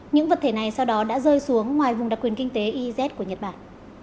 những vật thể này sau đó đã rơi xuống ngoài vùng đặc quyền kinh tế iz của nhật bản